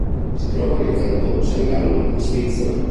Si trova nel Canton San Gallo in Svizzera.